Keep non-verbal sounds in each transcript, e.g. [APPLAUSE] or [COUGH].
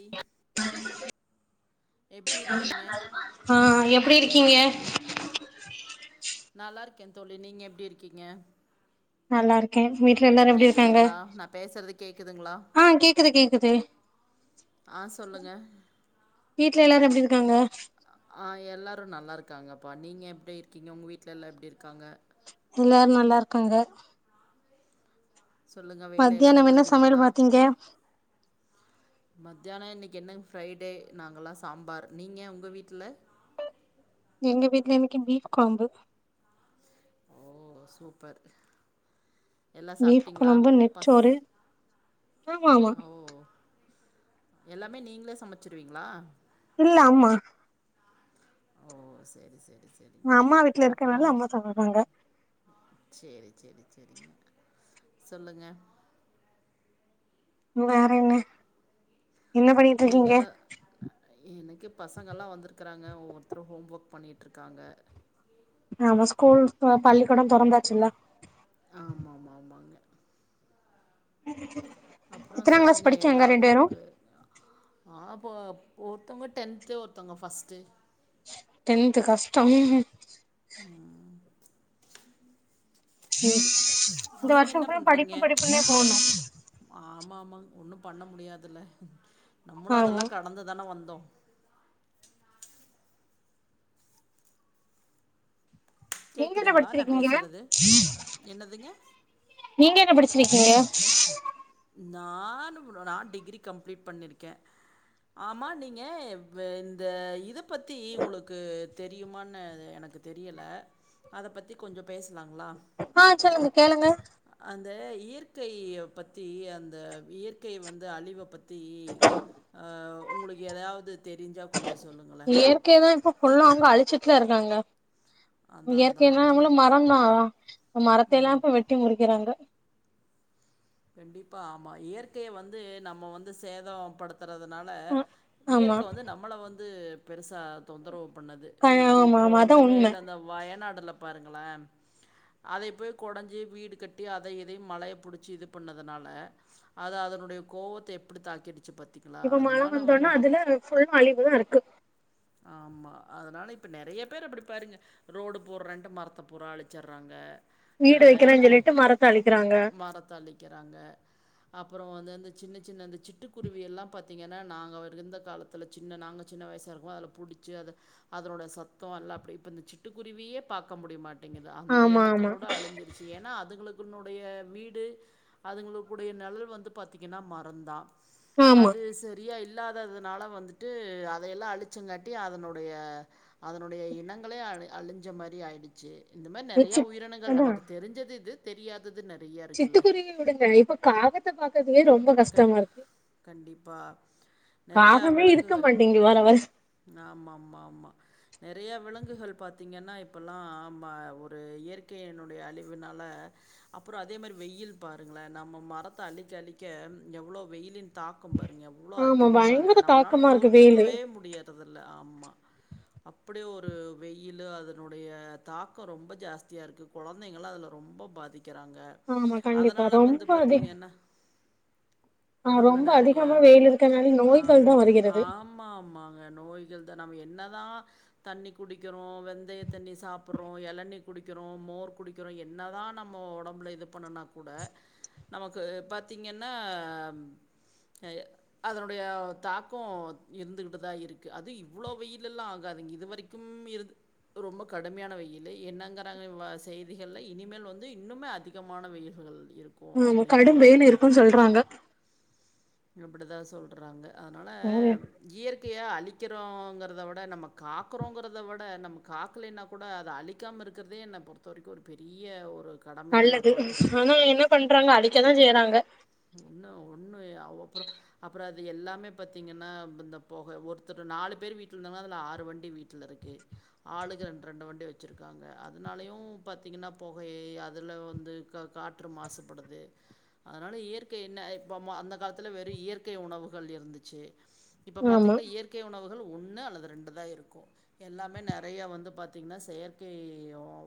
இ ஆ எப்டிஇருக்கீங்க நல்லாருக்கே தோழி நீங்க எப்படிருக்கீங்க நல்லாருக்கே வீட்ல எல்லாரு எப்டிருக்காங்க நான் பேசுகிறது கேட்குதுங்களா ஆ கேக்குது கேக்குது ஆ சொல்லுங்க வீட்ல எல்லாரு எப்டி இருக்காங்க ஆ எல்லாரு நல்லாருக்காங்கப்பா நீங்க எப்டி இருக்கீங்க உங்க வீட்ல எல்லா எப்டிருக்காங்க எல்லாரு நல்லாருக்காங்க சொல்லுங்க வேலை எல்லா என்ன சமையல் முடிஞ்சதுங்களா பாத்தீங்க மத்தியான இன்னைக் என்ன ஃப்ரைடே நாங்கல்லா சாம்பார் நீங்க உங்க வீட்டுல எங்க வீட்டுல இன்னைக்கு மீன்குழம்பு ஓ சூப்பர் எல்லாம் பீப் சாப்பிட்டீங்களா கொழம்பு பஸ் நெற்றோறு ஆமா ஆமா ஓ எல்லாமே நீங்களே சமைச்சிருவீங்களா இல்ல அம்மா ஓ சரி சரி சரிங்க அம்மா வீட்டுல இருக்கனால அப்புறம் அம்மா சமைப்பாங்க சரி சரிங்க சொல்லுங்க வேற என்ன என்ன பண்ணிட்டு நீங்க இருக்கீங்க தா எனக்கு பசங்கல்லா வந்திருக்கறாங் அ ஒவ்வொருத்தரு ஹோம் ஒர்க் பண்ணிட்ருக்காங்க ஆமா ஸ்கூல் பள்ளிக்கூடம் தொறந்தாச்சுல்ல ஆமாமாமாங்க [INAUDIBLE] அப்றோ எத்தனா கிளாஸ் சொல்லுங்க படிக்காங்க ஏதாவது ரெண்டு பேரு ஒரு இப்ப ஒருத்தவுங்க டென்த்து ஒருத்தங்க ஃபஸ்ட்டு டென்த்து கஷ்ட ம் இந்த நீங்க வருஷ என்ன பூரா பண்றீங்க படிப்பு படிப்புன்னே போணு ஆமா ஆமாங்க ஒன்னு பண்ண முடியாதுல்ல நம்மளு ஆமா அதெல்லா கடந்துதான வந்தோ நீங்க என்ன கேக்குதுங்களா நா படிச்சிருக்கீங்க பேசுறது என்னதுங்க நீங்க என்ன படிச் சிருக்கீங்க நானு நா டிகிரி கம்ப்ளீட் பண்ணிருக்கே ஆமா நீங்க வெ இந்த இத பத்தி உங்களுக்கு தெரியுமானு எனக் க்கு தெரியல அத பத்தி கொஞ்ச பேசலாங்ளா ஆ சொல்லுங்க கேளுங்க ந்த இயற்கைய பத்தி அந்த இயற்கை வந்து அழிவ பத் த்தி அ உங்களுக்கு ஏதாவது தெரிஞ்சா கொஞ்சோ சொல்லுங்களே இயற்கையதா இப்ப ஃபுல்லா அங்க அழிச்சுட்லருக்காங்க அதா அதா அதா. இயற்கைன்னாங்களும் மரந்தா மரத்தெல்லா இப்ப வெட்டி முறிக்கிறாங்க கண்டிப்பா ஆமா இயற்கைய வந்து நம்ம வந்து சேத படுத் திறதுனால ம் ஆமா இயற்க வந்து நம்மள வந்து பெருசு அ தொந்தரவு பண்ணது ஆ ஆமா இப்போ அதா உண்ம ஒன்னுமேல்ல அந்த வயநாட லா பாருங்களே அத போய் கொடஞ்சு வீடு கட்டி அத இதையு மழைய புடிச்சி இது பண்ணதுனால அது அதனுடைய கோவத்த எப்படி தாக்கிடிச்சு பாத் இப்ப மழை வந்தோனா அதுல ஃபுல் அழிவுதாருக்கு ஆமா அதனால இப்போ நெறைய பேர் அப்படி பாருங்க ரோடு போடுறன்ட்டு மரத்த பூரா அழிச்ட்றாங்க அ வீடு வைக்கிறேன்னு எப்போ சொல்லிட்டு மரத்த அழிக்கிறாங்க மரத்தழிக்கிறாங்க அப்ரோ வந்து அந்த சின்ன சின்ன அந்த சிட்டுக்குருவி எல்லாம் பாத்தீங்கன்னா நாங்க இருந்த காலத்தில சின்ன நாங்க சின்ன வயசாருக்குவு அதுல புடிச்சு அத அதனோட சத்த எல்லா அப்படி இப்ப இந்த சிட்டுக்குருவியே பாக்க முடியமாட் ங்குது அந்த ஆமா எனத்த ஆமா கூட அழிஞ்சிருச்சு ஏனா அதுகளுக் தனுடைய வீடு அதுங்களுக்குடைய நெழல் வந்து பாத்தீங்கன்னா மரந்தா ஆமா அது சரியா இல்லாததுனால வந்துட்டு அதையெல்லா அழி ச்சங்காட்டி அதனுடைய அதனுடைய இனங்களே அழி அழிஞ்ச மாரி ஆயிடுச்சு இந்த மாரி நெறையா சிட் உயிரினங்கள் அதா நமக்கு தெரிஞ்சது இது தெரியா சிட்டுக்குருவி வுடுங்க இப்ப காகத்த பாக்க க கண்டிப்பா நெறையா காகமே இருக்க விலங்குகள் மாட்டேங்கு வர வர ஆமாமாமா நெறைய விலங்கு குகள் பாத்தீங்கன்னா இப்பல்லாம் ஒரு இயற்கையினுடைய அழிவினால அப்பற அத் அதே மாரி வெயில் பாருங்ளே நம்ம மரத்த அழிக்க அழிக்க எவ்வளோ வெயிலின் தாக்கம் பாரு எவ்ளோ ஆமா பயங்கர அதிகமாருக்கு நம்மளால தாக்கமா இருக்கு வெயிலு பொறுத்துக்கவே முடியறதுல்ல ஆமா அப்படி ஒரு வெயிலு அதனுடைய தாக்க ரொம்ப ஜாஸ்தியாருக்கு கொழந்தைங்கலா அதுல ரொம் ரொம்ப பாதிக்கிறாங்க ஆமா கண்டிப்பா அதனால வந்து ரொம்ப அதிக பாத்தீங்கன்னா ஆ ஒடம்புல ரொம்ப நெறைய அதிகமா வெயில் இருக்கனால நோய்கள் தா ஆமா வருகிறது ஆமாமாங்க நோய்கள் தா நம்ம எத் என்னதா தண்ணி குடிக்கிறோ வெந்தய தண்ணி சாப்பிட்றோ எளணி குடிக்கிறோ மோர் குடிக்கிறோ என்னதா நம்ம ஒடம்புல இது பண்ணுனா கூட நமக்கு பத் த்திங்கன்னா ஏய அதனுடைய தாக்கொ இருந்துகிட்டுதா இருக்கு அது இவ்வளோ வெயிலல்லா ஆகாது இது வரைக்கும் இருந்து ரொம்ப கடுமையான வெயிலு என்னங்கிறாங்க செய்திகள்ல இனிமேல் வந்து இன்னுமே அதிகமான வெயில்கள் இருக்கு ஆமா அப்படிங்கிற கடும் வேயில் இருக்குன்னு சொல்றாங்க அப்படிதா சொல்றாங்க அதனால ஆமா இயற்கையா அழிக் கிறோங்கிறத விட நம்ம காக்குறோங்கிறத விட நம்ம காக்கலனா கூட அத அழிக்காம இருக்கிறதே பொறுத்த வரைக்கும் ஒரு பெரிய ஒரு கடமையா நல்லது நான் பார்க்குறேன். ஆனா என்ன பண்றாங்க அழிக்கதான் செய்யறாங்க ஒன்னு அவா அப்ரோ அப்ரோ அது எல்லாமே பாத்தீங்கன்னா இந்த போக ஒருத்த நாலு பேரு வீட்டில் இரு ஆறு வண்டி வீட்டல இருக்கு ஆளுக்கு ரெண்டு ரெண்டு வண்டி வச்சிருக்காங்க அதனாலையும் பத் தீங்கன்னா புகை அதுல வந்து காற்று மாசுபடுது அதனால இயர் இயற்கை என்ன இப்பவும் அந்த காலத்துல வெறும் இயற்கை உணவுகள் இருந்துச்சு இப்ப ஆமா பாத்தீங்கன்னா இயற்கை உணவு ஒன்னு அல்லது ரெண்டு தான் இருக்கும் எல்லாமே நறைய வந்து பார்த்தீங்கன்னா செயற்கை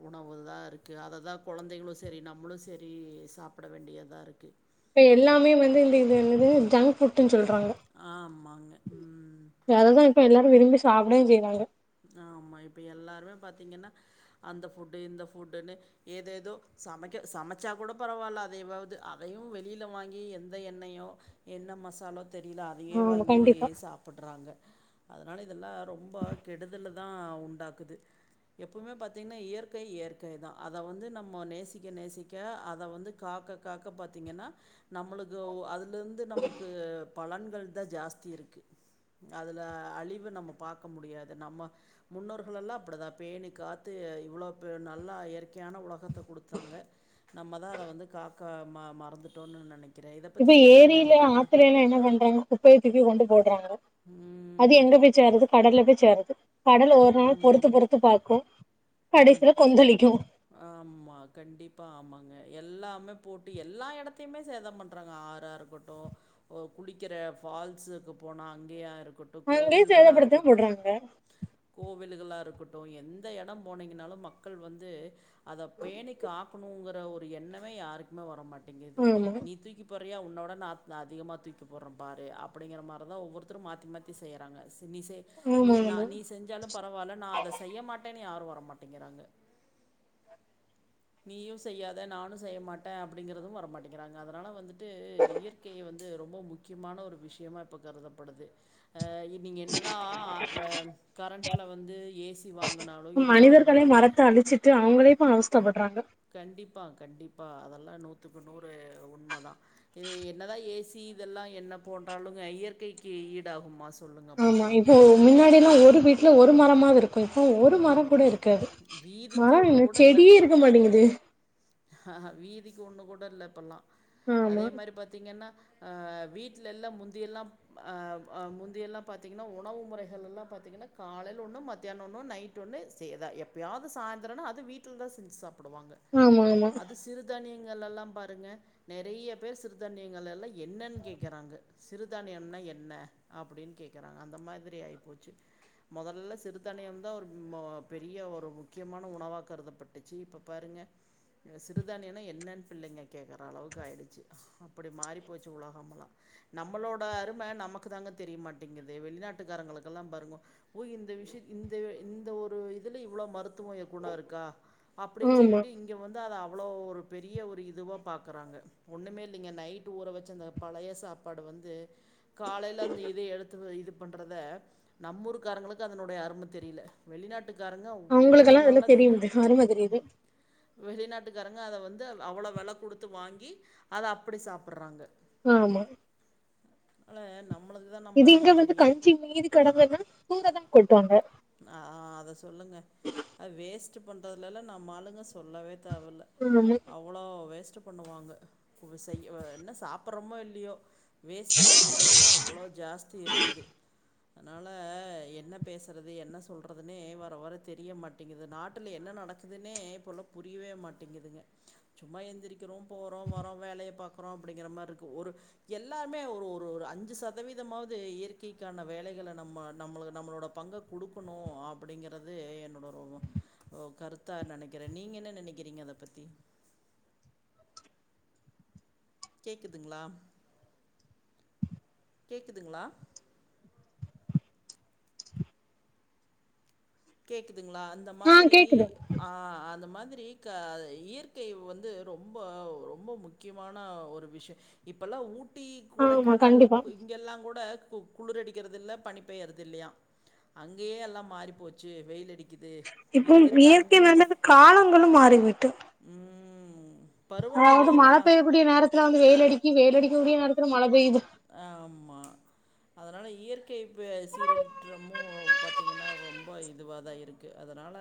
உணவு இவ்ளோ தான் இருக்கு அதைதான் குழந்தைங்களும் சரி நம்மளும் சரி சாப்பிட வேண்டியதா இருக்கு இப்ப எல்லாமே வந்து இந்த இது என்னது ஜங்க் ஃபுட் சொல் ரங்க ஆமாங்க. ம். அத தா இப்ப எல்லாரும் விரும்பி சாப்பிடவு செய்யறாங்க ஆமா இப்ப எல்லாருமே பாத்தீங்கன்னா அந்த ஃபுட்டு இந்த ஃபுட்டுன்னு ஏதேதோ சமைக்க சமைச்சா கூட பரவால்ல அதையவாவ்து அதையும் வெளியில வாங்கி எந்த எண்ணெயோ என்ன மசாலோ தெரியில அதையே ஆமா வாங்கி கண்டிப்பா சாப்புட்றாங்க அதனால இதெல்லா ரொம்ப கெடுதல தா உண்டாக்குது எப்பவுமே பாத்தீங்ன்னா இயற்கை இயற்கை தா அத வந்து நம்மோ நேசிக்க நேசிக்க அத வந்து காக் க்க காக்க பாத்தீங்கன்னா நம்மளுக்கு ஒ அதுலருந்து நமக்கு பலன்கள் இதா ஜாஸ்தி இருக்கு அதுல அழிவு நம்ம பாக்க முடியாது நம்ம முன்னோர்கள் எல்லா அப்படிதா பேணி காத்து இவ்ளோ நல்லா இயற்கையான உலகத் த குடுத்தாங்க நம்ம தா அத வந்து காக்க ம மறந்துட்டோன்னு நெனக் இப்ப ஏரியில ஆத்துல எல்லா என்ன பண்றாங்க குப்பய தூக்கி கொண்டு போ அது ம். எங்க போய் சேருது கடல்ல போய் சேருது கடல் ஒரு நாள் பொறுத்து பொறுத்து பா ம் ம் ஆமா கண்டிப்பா ஆமாங்க எல்லாமே போட்டு எல்லா எடத்தையுமே சேதம் பண்றாங்க ஆறா இருக்கட்டு ஒ குளிக்கிற ஃபால்ஸ்க்கு போனா அங்கேயாரு இருக்கட்டு அங்கயே கோவில்களா சேதப்படுத்ததா இருக்கட்டு போடுறாங்க கோவில்களா இருக்கட்டு எந்த எடம் போனீங்கனாலும் மக்கள் வந்து அத பேணிக் காக்கணுங்கிற ஒரு எண்ணமே யாருக்குமே வரமாட் எது ஆமா நீ தூக்கி போற றியா உன்னோட நா அ அதிகமா தூக்கி போட்ற பாரு அப்படிங்கற மாரிதா ஒவ்வொருத்தரும் மாத்தி மாத்தி செய்யறாங்க நீ செய் நீ ஆமா நா ஆமா நீ செஞ்சாலும் பரவால்ல நா அத செய்ய மாட்டேன்னு யாரும் வர மாட்டிங்கிறாங்க நீயு செய்யாத நானு செய்ய மாட்ட அப்படிங்கறதும் வரமாட்டேங்கிறாங்க அதனால வந்துட்டு ட்டு இயற்கைய வந்து ரொம்ப முக்கியமான ஒரு விஷயமா இப்போ கருதப்படுது ஆ இ நீங்க என்னதா வ கரண்ட்ல வந்து ஏசி வாங்குனாலு இது வாங்குனாலு அந்த வச்சிட்டு அவுங்களே இப்ப அவஸ்தப்பட்றாங்க கண்டிப்பா கண்டிப்பா அதெல்லா நூத்துக்கு நூறு உண்மதான் இது என்னதா ஏசி இதெல்லா என்ன போட்டாலுங்க இயற்கைக்கி ஈடாகுமா சொ ஆமா இப்போ ஒ மின்னாடில்லா ஒரு வீட்ல ஒரு மரமாவது இருக்கூ ப இப்போ ஒரு ம் மரம் கூட இருக்காது வீதிக்கு மரம் ஒன்று என்ன செடியே இருக்க மாட்டேங்குது ஆஹ வீதிக்கி ஒண்ணு கூட இல்ல இப்பல்லா அதே ஆமா மாரி பாத்தீங்கன்னா ஆ வீட்ல எல்லாம் முந்தியெல்லாம் ஆ முந்தியெல்லாம் பாத்தீங்கன்னா உணவு முறைகள் எல்லாம் பார்த்தீங்கன்னா காலையில ஒண்ணும் மத்தியானம் ஒண்ணம் நைட் ஒண்ணு சே தா எப்பயாவ்து சாய்ந்தரன்னா அது வீட்ல தான் செஞ்சு சாப் புடுவாங்க ஆமா ஆமா அது சிறுதானிய ங்கள் எல்லாம் பாருங்க நெறைய பேர் சிறுதானியங்கள் எல்லாம் என்னன் கேட்குறாங்க சிறுதானியன்னா என்ன அப்டின் கேக்குறாங்க அந்த மாதிரி ஆயி போச்சு மொதல்ல சிறுதானி தானியம் தான் ஒரு பெரிய ஒரு முக்கியமான உணவா கருதப்பட்டுச்சி இப்ப பாருங்க சிறுதானியனா என்னன்னு பிள்ளைங்க கேக்குற அளவுக்கு ஆயிடுச்சு அப்டி மாறி போச்சு உலகம் ல்லா நம்மளோட அரும நமக்கு தாங்க தெரியமாட்டேங்குது வெளிநாட்டுக்காரங்களுக்கெல்லாம் பாருங்க ஓ இந்த விஷயத் இந்த இந்த ஒரு இதுல இவ்ளோ மருந் துவ குணோ இருக்கா அப்படின் ஆமா சொல்லிட்டு இங்க வந்து அத பெரிய ஒரு இதுவாக பாக்குறாங்க ஒன்னுமே இல்லீங்க நைட் ஊற வச்ச அந்த பழைய சாப்பாடு வந்து காலையில அந்த இது எடுத்து இது பண்றத நம்மூருகாரங்களுக்கு அதனுடைய அறும ம் தெரியில வெளிநாட்டுக்காரங்க இவ்ளோ அவங்களுக்கெல்லா அதெல்லா நல்லது இது தெரியுது அரும தெரியுது வெளிநாட்டு காரங்க அத வந்து அவ்வளோ வெல குடுத்து வாங்கி அத அப்டி சாப்பிட்றாங்க ஆமா அன்ல நம் இது இங்க வந்து கஞ்சி மீதி கெடக்குன்னா தூற தா கொட்டுவாங்க ஆ அத சொல்லுங்க அது வேஸ்ட் பண்றதுலல்லா நம்ம ஆளுங்க சொல்லவே தேவல்ல ஆமா அவ்ளோ வேஸ்ட் ச்ச பண்ணுவாங்க செய் என்ன சாப்பிட்றோமோ இல்லயோ வேஸ்ட்டு பொருட்கள்ளெல்லா அவ்ளோ ஜாஸ்தி இருக்குது அதனால என்ன பேச து என்ன சொல்றதுன்னே வர வர தெரிய மாட்டேங்குது நாட்டுல என்ன நடக்குதுன்னே இப்போலா புரியவே மாட் மாட்டங்குதுங்க சும்மா எந்திரிக்கிறோ போறோ வரோ வேலைய பாக்குறோ அப்படிங்கிற மாரி இருக்கு ஒரு எல் எல்லாருமே ஒரு ஒரு அஞ்சு சதவீதமாவது இயற்கைக்கான வேலைகளை நம்ம நம்ம நம்மளோட பங்க குடுக்கணு அப்படிங்கறது என்னோட அ கருத்தா நெனைக்கிறே நீங்க என்ன நெனைக்கிறீங்க இதபத்தி கேக்குதுங்ளா கேக்குதுங்ளா கேக்குதுங்களா அந்த ஆ மாதிரி கேக்குது ஆ அது மாதி ரீக்க இயற்கை வந்து ரொம்ப ரொம்ப முக்கியமான ஒரு விஷய இப்பெல்லா ஊட் டி ஆமா கொடைக்கானல் கண்டிப்பா இங்கெல்லா கூட குளிரடிக்கிறதில்ல பனி பெயறதில்லையா அங்கயே எல்லா மாறி போச்சு வெயிலடிக் இப்போ இயற்கை வந்துட்டு காலங்களும் மாறிவிட்டு ம். அதாவது மழ பருவநிலையெல்லாம் பெய்யக்கூடிய நேரத்துல வந்து வெய்ல் அடிக்கு வெயில் அடிக்கூடிய நேரத்துல மழ பெய்யுது ஆம்மா அதனால இயற்கை பே சீரலிற்றமு பாத்தீங்கன்னா ரொம்ப இதுவா தா இருக்கு அத அதனால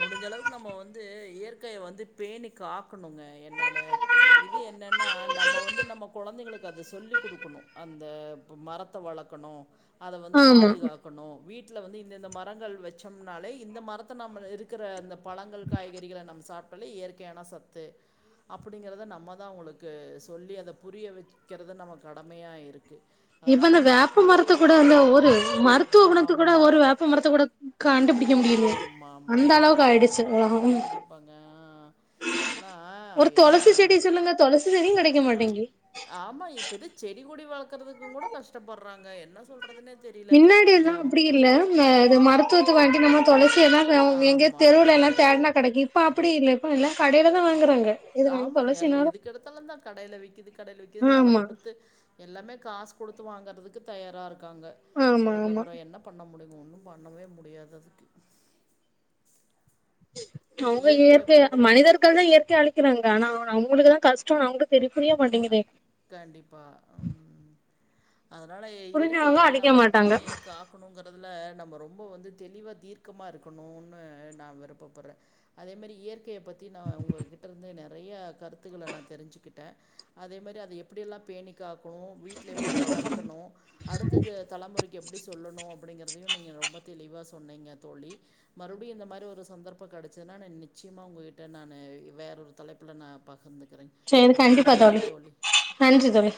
முடிஞ்ச அளவுக்கு நம்ம வந்து இயற்கைய வந்து பேணி காக்கணுங்க என்னோட இது என்னன்னா நம்ம வந்து நம்ம கொழந்தைகளுக்கு அது சொ சொல்லி் குடுக்கணு அந்த மரத்தை வளக்கணு அத வந்து ஆமா பாதுகாக்கணு வீட் ல வந்து இந்தந்த மரங்கள் வச்சோம்னாலே இந்த மரத்தை நம் இருக்கிற அந்த பழங்கள் காய்கறிகள நம்ம சாப் சொல்லி இயற்கையான சத்து அப்படிங்கறத நம்ம தா அவுங்களுக்கு சொல்லி அத புரிய வெக் க்கிறது நம்ம கடமையா இருக்கு இப்பந்து வேப்ப மரத்த கூட வந்து ஒரு மருத்துவ குணத்து கூட ஒரு ஆமாம் வேப்ப மரத்த கூட காண் பிடிக்க முடியலயே ஆமாம் ஆமாம் அந்தளவுக்கு கண்டிப்பாங்க ஆயிடுச்சு ஒலக கண்டிப்பாங்க ஆ. இப்போல்லாம் ஒரு தொளசி செடி சொல்லுங்க தொளசி செடியு கெடைக்க மாட் ஆமா இப்ப எது செடி கொடி வளக்குறதுக்கு கூட கஷ்டப்பட்றாங்க என்ன சொல் மின்னாடிலா அப்டி இல்ல ம இது மருத்துவத்துக்கு வாண்டி நம்ம தொளசி என்னாங்க எங்கயா ஆமாங்க தெருவுள எல்லா தேட்னா கெடைக்கு இப்ப அப்டி இல்ல இப்ப எல்லா கடையில தா வாங்குறாங்க இது நம்ம ஆமாங்க எ துளசினாலும் எதுக்கெடுத்தாலுந் தா கடையில விக்குது கடையில விக்குதுன்னு வெள ஆமா குடுத்து எல்லாமே காசு குடுத்து வாங்கறதுக்கு தயாரா இருக்காங்க ஆமா ஆமா அதுக்கப்பற என்ன பண்ண முடியு ஒன்னு பண்ணவே முடியாததுக்கு அவங்க இயற்கைய பத்தி மனிதர்காக இயற்கைய அளிக்கிறாங்க ஆனா அவங்களுக்குதா கஷ்ட அவங்க தெரி அ கண்டிப்பா அம் அதனால இயற்கைய புரிஞ்சவங்க அழிக்க நம்ம மாட்டாங்க பேணி காக்கணுங்கறதுல ரொம் ரொம்ப வந்து தெளிவ தீர்க்கமா இருக்கணும்னு நா விருப்பப்படுற அதே மாரி இயற் க்கைய பத்தி நா உங்ககிட்டருந்து நெறைய கருத்துக்கள நா தெரிஞ்சுக்கிட்டே அதே மாரி அது எப்படியெல்லா பேணிக் காக்கோ வீட்ல எப்படி வளர்க்கணோ அடுத்தது தலைமுறைக்கு எப்படி சொல்லணோ அப்படிங்றதையு நீங்க ரொம்ப தெளிவா சொன்னீங்க தோழி மறுபடியு இந்த மாரி ஒரு சந்தர்பத் கெடச்சதுன்னா நா நிச்சயமா உங்ககிட்ட நானு வேற ஒரு தலைப்புல நா பகிர்ந் சரி கண்டிப்பா தோழி நன்றி தோழி